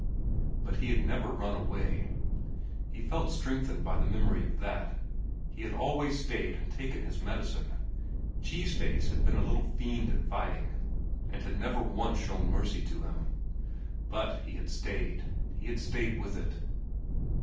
But he had never run away. He felt strengthened by the memory of that. He had always stayed and taken his medicine. Cheese Face had been a little fiend at fighting, and had never once shown mercy to him. But he had stayed! He had stayed with it!